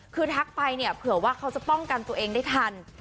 คือทักไปเนี่ยเผื่อว่าเขาจะป้องกันตัวเองได้ทัน